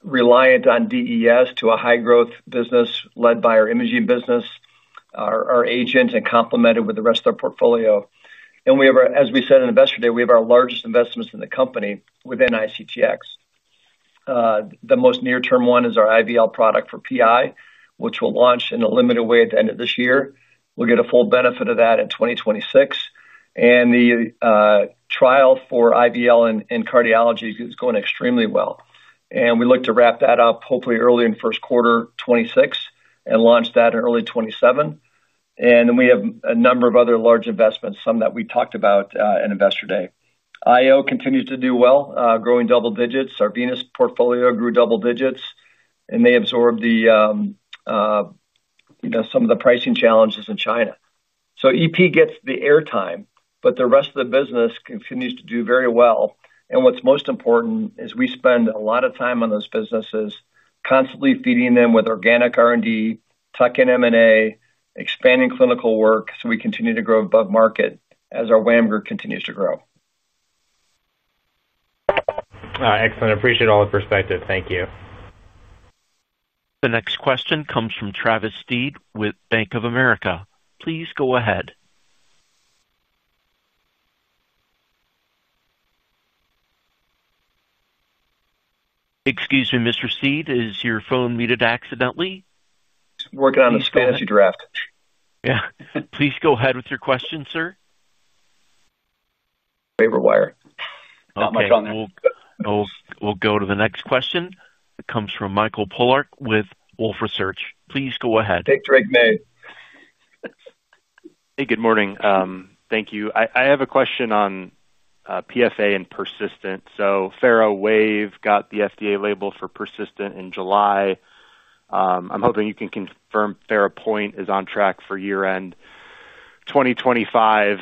reliance on DES to a high-growth business led by our imaging business, our agents, and complemented with the rest of our portfolio. As we said in investor day, we have our largest investments in the company within ICTx. The most near-term one is our IVL product for PI, which will launch in a limited way at the end of this year. We'll get a full benefit of that in 2026. The trial for IVL in cardiology is going extremely well. We look to wrap that up hopefully early in first quarter 2026 and launch that in early 2027. We have a number of other large investments, some that we talked about in Investor Day. IO continues to do well, growing double digits. Our Venus portfolio grew double digits, and they absorbed some of the pricing challenges in China. EP gets the airtime, but the rest of the business continues to do very well. What's most important is we spend a lot of time on those businesses, constantly feeding them with organic R&D, tuck-in M&A, expanding clinical work so we continue to grow above market as our WAMGR continues to grow. Excellent. I appreciate all the perspective. Thank you. The next question comes from Travis Steed with Bank of America. Please go ahead. Excuse me, Mr. Steed, is your phone muted accidentally? Working on the strategy draft. Yeah, please go ahead with your question, sir. Favorite wire. Not much on that. We'll go to the next question. It comes from Michael Pollard with Wolfe Research. Please go ahead. Hey, [Jon Monson]. Hey, good morning. Thank you. I have a question on PFA and persistent. FARAWAVE got the FDA label for persistent in July. I'm hoping you can confirm FARAPOINT is on track for year-end 2025.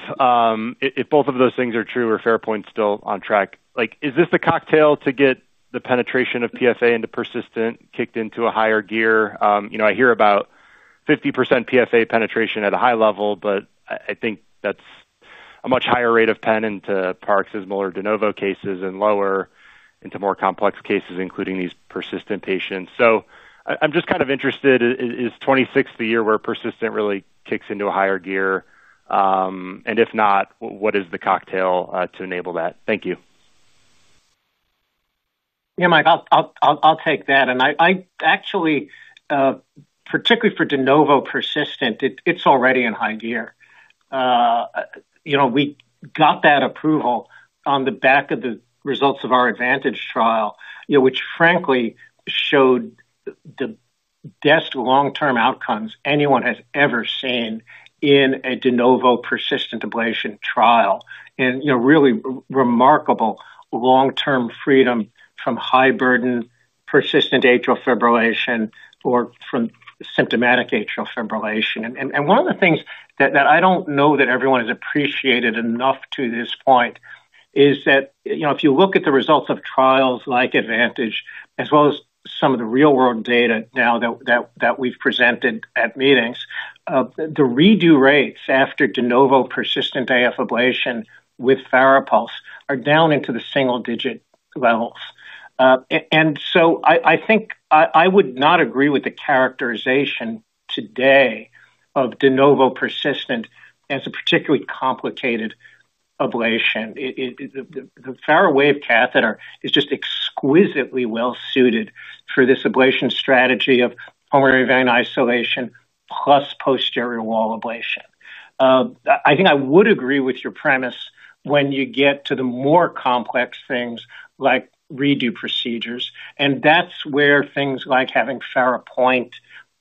If both of those things are true, are FARAPULSE still on track? Is this the cocktail to get the penetration of PFA into persistent kicked into a higher gear? I hear about 50% PFA penetration at a high level, but I think that's a much higher rate of penetration into paroxysmal or de novo cases and lower into more complex cases, including these persistent patients. I'm just kind of interested, is 2026 the year where persistent really kicks into a higher gear? If not, what is the cocktail to enable that? Thank you. Yeah, Mike, I'll take that. I actually, particularly for de novo persistent, it's already in high gear. You know, we got that approval on the back of the results of our ADVANTAGE trial, which frankly showed the best long-term outcomes anyone has ever seen in a de novo persistent ablation trial. You know, really remarkable long-term freedom from high-burden persistent atrial fibrillation or from symptomatic atrial fibrillation. One of the things that I don't know that everyone has appreciated enough to this point is that, if you look at the results of trials like ADVANTAGE, as well as some of the real-world data now that we've presented at meetings, the redo rates after de novo persistent AF ablation with FARAPULSE are down into the single-digit levels. I think I would not agree with the characterization today of de novo persistent as a particularly complicated ablation. The FARAWAVE catheter is just exquisitely well suited for this ablation strategy of pulmonary vein isolation plus posterior wall ablation. I think I would agree with your premise when you get to the more complex things like redo procedures. That's where things like having FARAPOINT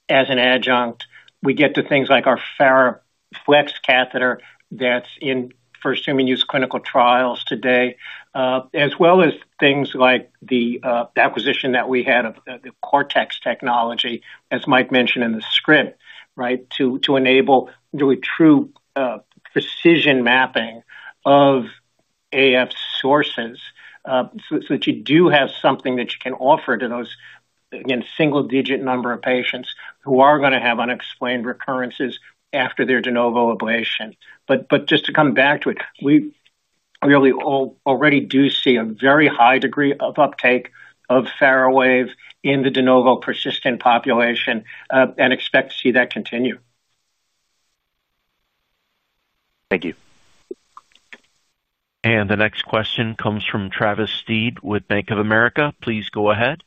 as an adjunct, we get to things like our FARA FLX catheter that's in for human use clinical trials today, as well as things like the acquisition that we had of the Cortex technology, as Mike mentioned in the script, right, to enable really true precision mapping of AF sources so that you do have something that you can offer to those, again, single-digit number of patients who are going to have unexplained recurrences after their de novo ablation. Just to come back to it, we really already do see a very high degree of uptake of FARAWAVE in the de novo persistent population and expect to see that continue. Thank you. The next question comes from Travis Steed with Bank of America. Please go ahead.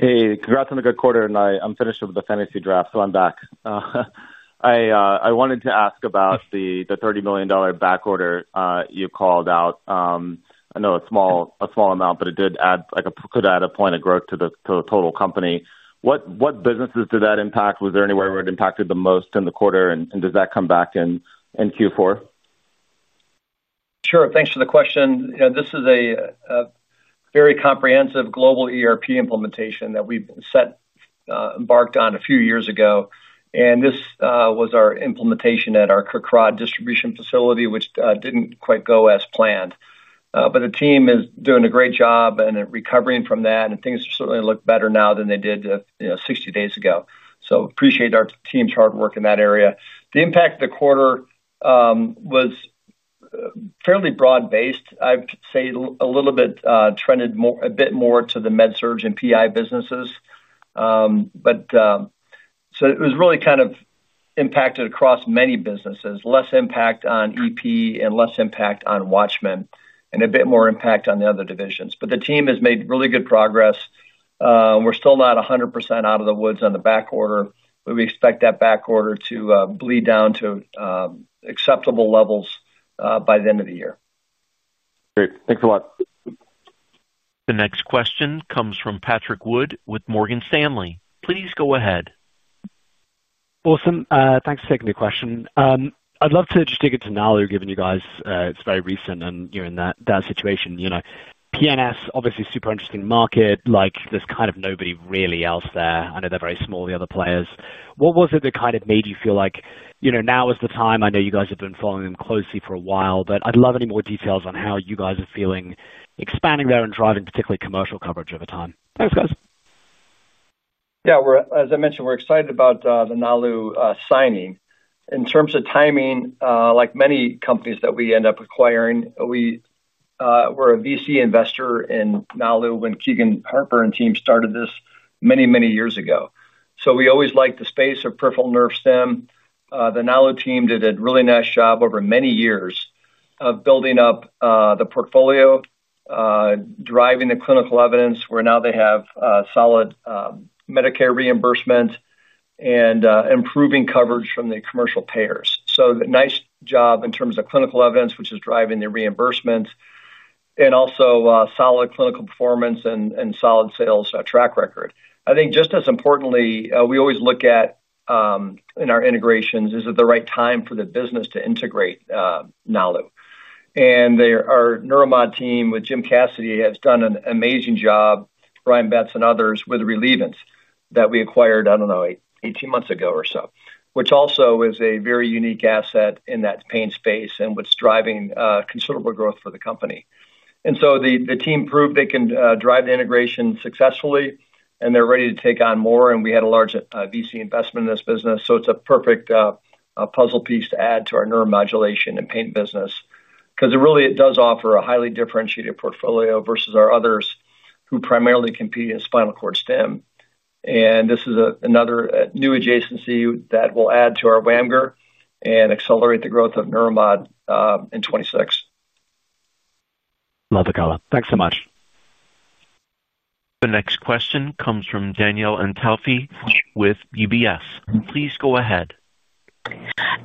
Hey, congrats on the good quarter, and I'm finished with the fantasy draft, so I'm back. I wanted to ask about the $30 million backorder you called out. I know a small amount, but it did add, like, it could add a point of growth to the total company. What businesses did that impact? Was there anywhere where it impacted the most in the quarter, and does that come back in Q4? Sure. Thanks for the question. This is a very comprehensive global ERP implementation that we embarked on a few years ago. This was our implementation at our Kerkrade distribution facility, which didn't quite go as planned. The team is doing a great job and recovering from that, and things certainly look better now than they did 60 days ago. I appreciate our team's hard work in that area. The impact of the quarter was fairly broad-based. I'd say it trended a bit more to the MedSurg and PI businesses. It was really kind of impacted across many businesses, less impact on EP and less impact on WATCHMAN and a bit more impact on the other divisions. The team has made really good progress. We're still not 100% out of the woods on the backorder, but we expect that backorder to bleed down to acceptable levels by the end of the year. Great. Thanks a lot. The next question comes from Patrick Wood with Morgan Stanley. Please go ahead. Awesome. Thanks for taking the question. I'd love to just dig into Nalu, given you guys, it's very recent and you're in that situation. You know, PNS, obviously super interesting market, like there's kind of nobody really else there. I know they're very small, the other players. What was it that kind of made you feel like, you know, now is the time? I know you guys have been following them closely for a while, but I'd love any more details on how you guys are feeling expanding there and driving particularly commercial coverage over time. Thanks, guys. Yeah, as I mentioned, we're excited about the Nalu signing. In terms of timing, like many companies that we end up acquiring, we were a VC investor in Nalu when Keegan Harper and team started this many, many years ago. We always liked the space of peripheral nerve stim. The Nalu team did a really nice job over many years of building up the portfolio, driving the clinical evidence where now they have solid Medicare reimbursement and improving coverage from the commercial payers. A nice job in terms of clinical evidence, which is driving the reimbursements, and also solid clinical performance and solid sales track record. I think just as importantly, we always look at in our integrations, is it the right time for the business to integrate Nalu? Our Neuromod team with Jim Cassidy has done an amazing job, Brian Betts and others, with Relievant that we acquired, I don't know, 18 months ago or so, which also is a very unique asset in that pain space and what's driving considerable growth for the company. The team proved they can drive the integration successfully, and they're ready to take on more. We had a large VC investment in this business. It's a perfect puzzle piece to add to our neuromodulation and pain business because it really does offer a highly differentiated portfolio versus our others who primarily compete in spinal cord stim. This is another new adjacency that will add to our WAMGR and accelerate the growth of Neuromod in 2026. Love the color. Thanks so much. The next question comes from Danielle Antalffy with UBS. Please go ahead.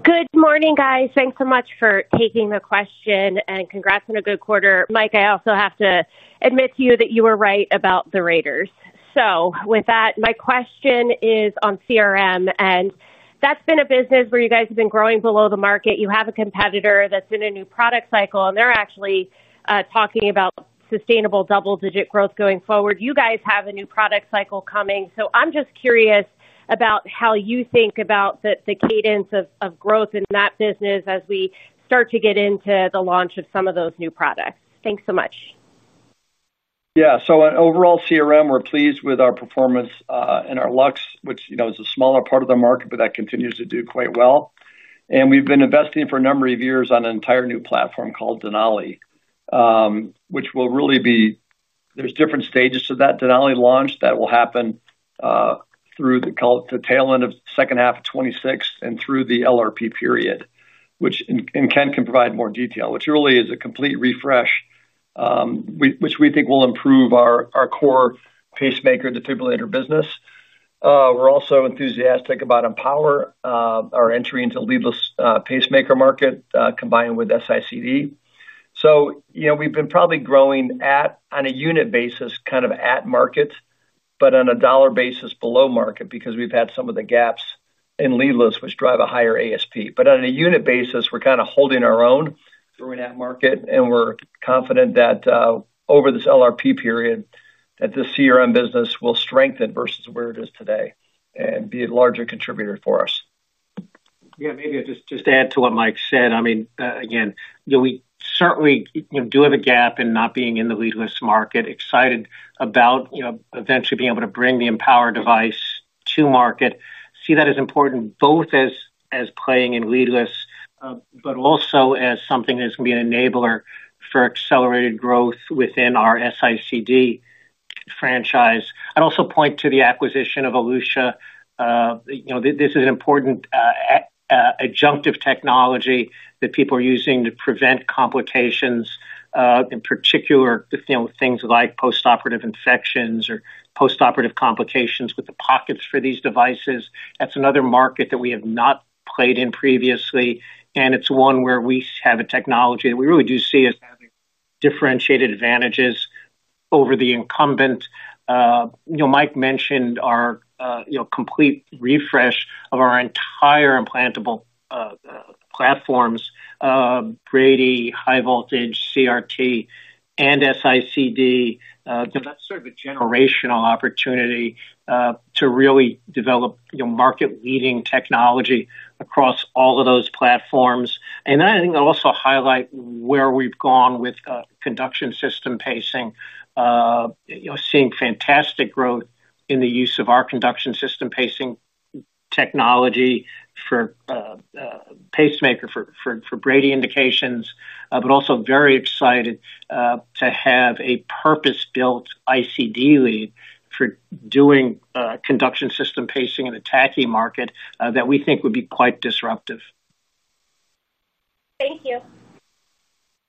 Good morning, guys. Thanks so much for taking the question and congrats on a good quarter. Mike, I also have to admit to you that you were right about the Raiders. My question is on CRM, and that's been a business where you guys have been growing below the market. You have a competitor that's in a new product cycle, and they're actually talking about sustainable double-digit growth going forward. You guys have a new product cycle coming. I'm just curious about how you think about the cadence of growth in that business as we start to get into the launch of some of those new products. Thanks so much. Yeah. Overall, CRM, we're pleased with our performance in our LUX, which is a smaller part of the market, but that continues to do quite well. We've been investing for a number of years on an entire new platform called Denali, which will really be, there's different stages to that Denali launch that will happen through the tail end of the second half of 2026 and through the LRP period, which Ken can provide more detail, which really is a complete refresh, which we think will improve our core pacemaker defibrillator business. We're also enthusiastic about EMPOWER, our entry into the leadless pacemaker market, combined with SICD. We've been probably growing on a unit basis, kind of at market, but on a dollar basis below market because we've had some of the gaps in leadless, which drive a higher ASP. On a unit basis, we're kind of holding our own, we're in that market, and we're confident that over this LRP period that this CRM business will strengthen versus where it is today and be a larger contributor for us. Yeah, maybe I'll just add to what Mike said. I mean, again, we certainly do have a gap in not being in the leadless market, excited about eventually being able to bring the EMPOWER device to market. See that as important both as playing in leadless, but also as something that's going to be an enabler for accelerated growth within our SICD franchise. I'd also point to the acquisition of Elutia. This is an important adjunctive technology that people are using to prevent complications, in particular things like postoperative infections or postoperative complications with the pockets for these devices. That's another market that we have not played in previously, and it's one where we have a technology that we really do see as having differentiated advantages over the incumbent. Mike mentioned our complete refresh of our entire implantable platforms, Brady, high-voltage CRT, and SICD. That's sort of a generational opportunity to really develop market-leading technology across all of those platforms. I think I'll also highlight where we've gone with conduction system pacing, seeing fantastic growth in the use of our conduction system pacing technology for pacemaker for Brady indications, but also very excited to have a purpose-built ICD lead for doing conduction system pacing in the TACI market that we think would be quite disruptive. Thank you.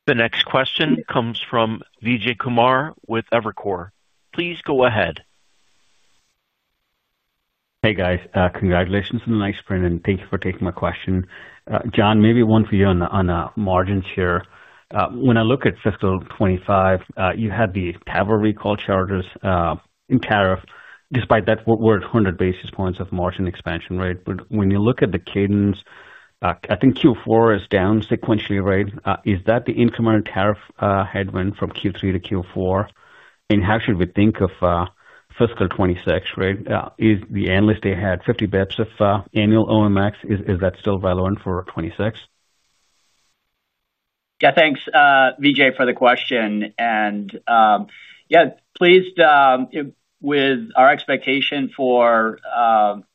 The next question comes from Vijay Kumar with Evercore. Please go ahead. Hey, guys. Congratulations on the nice sprint, and thank you for taking my question. Jon, maybe one for you on the margins here. When I look at fiscal 2025, you had the TAVR recall charges in tariff. Despite that, we're at 100 basis points of margin expansion, right? When you look at the cadence, I think Q4 is down sequentially, right? Is that the incremental tariff headwind from Q3 to Q4? How should we think of fiscal 2026, right? Is the analyst, they had 50 bps of annual OMX, is that still relevant for 2026? Yeah, thanks, Vijay, for the question. Yeah, pleased with our expectation for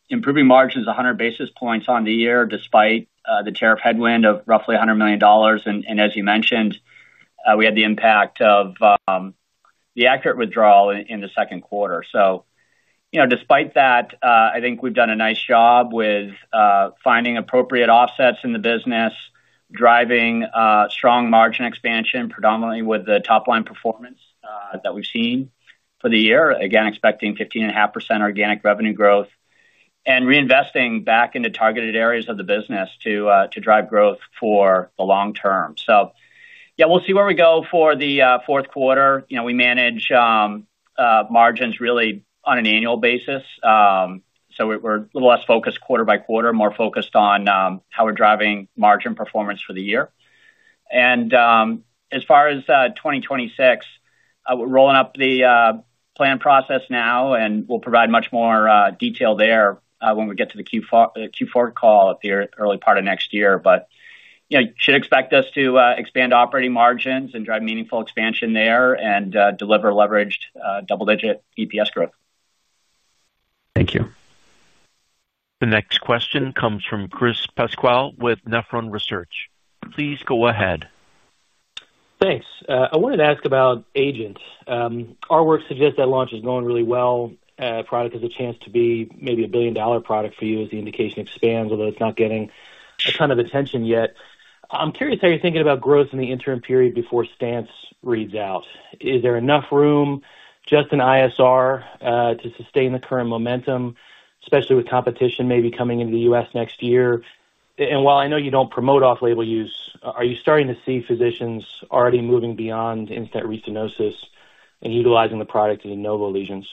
improving margins 100 basis points on the year despite the tariff headwind of roughly $100 million. As you mentioned, we had the impact of the ACURATE withdrawal in the second quarter. Despite that, I think we've done a nice job with finding appropriate offsets in the business, driving strong margin expansion predominantly with the top-line performance that we've seen for the year. Again, expecting 15.5% organic revenue growth and reinvesting back into targeted areas of the business to drive growth for the long term. We'll see where we go for the fourth quarter. We manage margins really on an annual basis. We're a little less focused quarter by quarter, more focused on how we're driving margin performance for the year. As far as 2026, we're rolling up the plan process now, and we'll provide much more detail there when we get to the Q4 call at the early part of next year. You should expect us to expand operating margins and drive meaningful expansion there and deliver leveraged double-digit EPS growth. Thank you. The next question comes from Chris Pasquale with Nephron Research. Please go ahead. Thanks. I wanted to ask about AGENT. Our work suggests that launch is going really well. Product has a chance to be maybe a billion-dollar product for you as the indication expands, although it's not getting a ton of attention yet. I'm curious how you're thinking about growth in the interim period before stents read out. Is there enough room, just in ISR, to sustain the current momentum, especially with competition maybe coming into the U.S. next year? While I know you don't promote off-label use, are you starting to see physicians already moving beyond in-stent restenosis and utilizing the product in de novo lesions?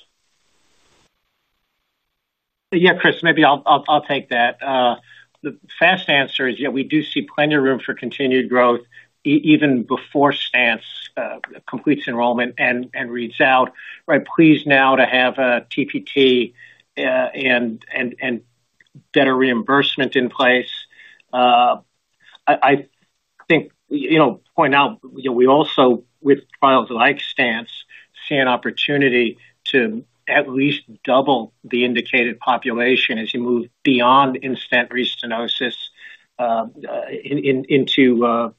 Yeah, Chris, maybe I'll take that. The fast answer is, yeah, we do see plenty of room for continued growth even before STANCE completes enrollment and reads out, right? Pleased now to have a TPT and better reimbursement in place. I think, you know, point out, you know, we also, with trials like STANCE, see an opportunity to at least double the indicated population as you move beyond in-stent restenosis into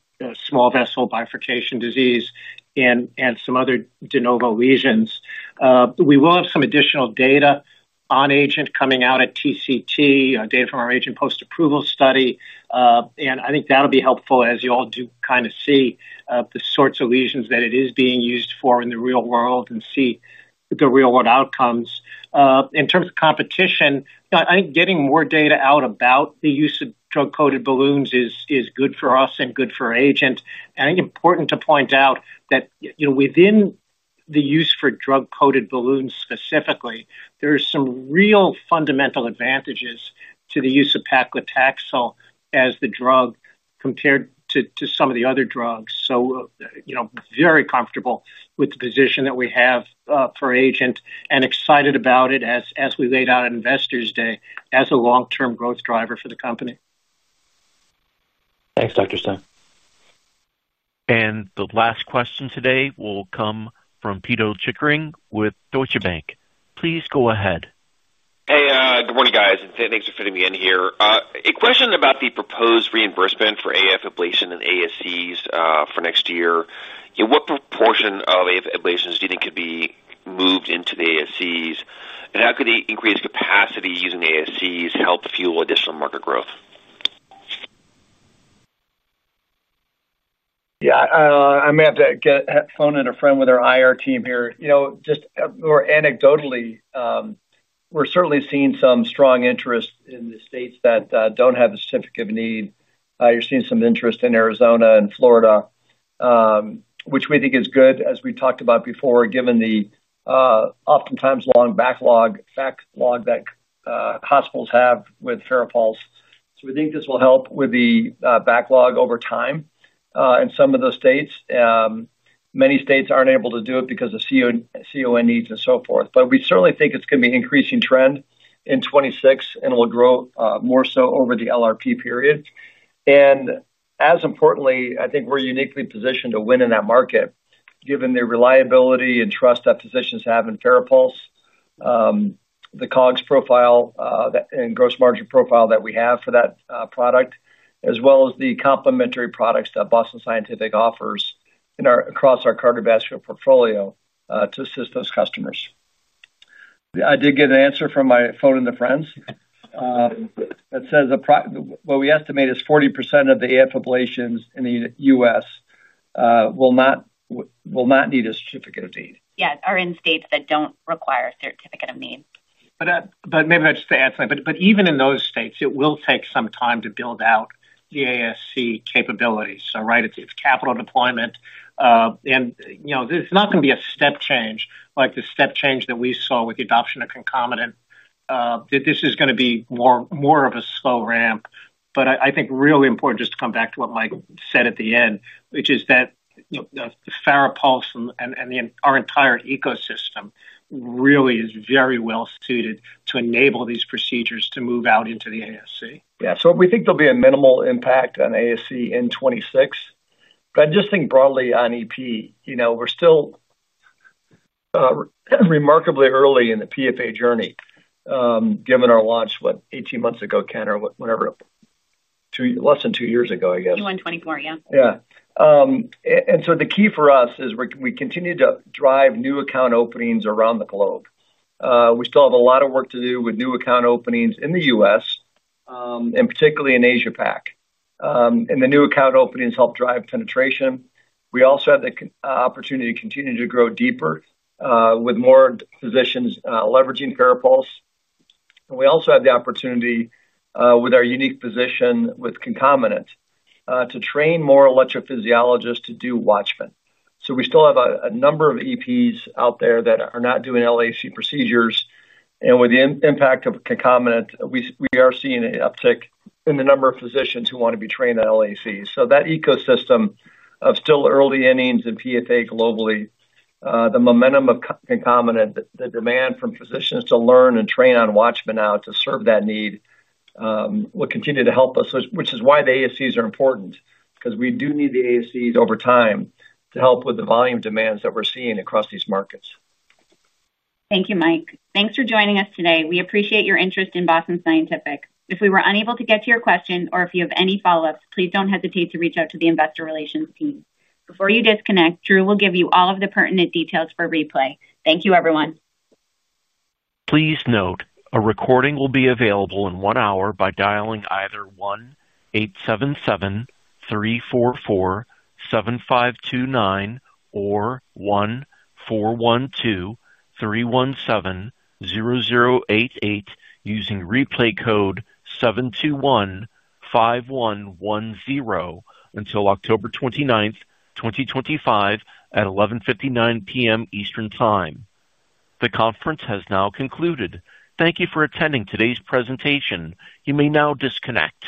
small vessel bifurcation disease and some other de novo lesions. We will have some additional data on AGENT coming out at TCT, data from our AGENT post-approval study. I think that'll be helpful as you all do kind of see the sorts of lesions that it is being used for in the real world and see the real-world outcomes. In terms of competition, I think getting more data out about the use of drug-coated balloons is good for us and good for AGENT. I think it's important to point out that within the use for drug-coated balloons specifically, there are some real fundamental advantages to the use of paclitaxel as the drug compared to some of the other drugs. Very comfortable with the position that we have for AGENT and excited about it as we laid out on Investor Day as a long-term growth driver for the company. Thanks, Dr. Stein. The last question today will come from Pito Chickering with Deutsche Bank. Please go ahead. Hey, good morning, guys. Thanks for fitting me in here. A question about the proposed reimbursement for AF ablation and ASCs for next year. What proportion of AF ablations do you think could be moved into the ASCs? How could the increased capacity using ASCs help fuel additional market growth? Yeah, I may have to get a phone in a friend with our IR team here. Just more anecdotally, we're certainly seeing some strong interest in the states that don't have a certificate of need. You're seeing some interest in Arizona and Florida, which we think is good, as we talked about before, given the oftentimes long backlog that hospitals have with FARAPULSE. We think this will help with the backlog over time in some of those states. Many states aren't able to do it because of certificate of need and so forth. We certainly think it's going to be an increasing trend in 2026, and it will grow more so over the LRP period. As importantly, I think we're uniquely positioned to win in that market, given the reliability and trust that physicians have in FARAPULSE, the COGS profile and gross margin profile that we have for that product, as well as the complementary products that Boston Scientific offers across our cardiovascular portfolio to assist those customers. I did get an answer from my phone and the friends that says what we estimate is 40% of the AF ablations in the U.S. will not need a certificate of need. Yeah, or in states that don't require a certificate of need. Maybe that's the answer. Even in those states, it will take some time to build out the ASC capabilities. It's capital deployment, and it's not going to be a step change like the step change that we saw with the adoption of concomitant. This is going to be more of a slow ramp. I think it's really important just to come back to what Mike said at the end, which is that Therapulse and our entire ecosystem really is very well suited to enable these procedures to move out into the ASC. Yeah, we think there'll be a minimal impact on ASC in 2026. I just think broadly on electrophysiology, you know, we're still remarkably early in the PFA journey, given our launch, what, 18 months ago, Ken, or whatever, less than two years ago, I guess. June 24, yeah. Yeah. The key for us is we continue to drive new account openings around the globe. We still have a lot of work to do with new account openings in the U.S., particularly in Asia-Pac. The new account openings help drive penetration. We also have the opportunity to continue to grow deeper with more physicians leveraging FARAPULSE. We also have the opportunity with our unique position with concomitant to train more electrophysiologists to do WATCHMAN. We still have a number of EPs out there that are not doing LAA procedures. With the impact of concomitant, we are seeing an uptick in the number of physicians who want to be trained on LAA. That ecosystem is still early innings in PFA globally. The momentum of concomitant and the demand from physicians to learn and train on WATCHMAN now to serve that need will continue to help us, which is why the ASCs are important, because we do need the ASCs over time to help with the volume demands that we're seeing across these markets. Thank you, Mike. Thanks for joining us today. We appreciate your interest in Boston Scientific. If we were unable to get to your question or if you have any follow-ups, please don't hesitate to reach out to the investor relations team. Before you disconnect, Drew will give you all of the pertinent details for replay. Thank you, everyone. Please note, a recording will be available in one hour by dialing either 1-877-344-7529 or 1-412-317-0088 using replay code 721-5110 until October 29, 2025, at 11:59 P.M. Eastern Time. The conference has now concluded. Thank you for attending today's presentation. You may now disconnect.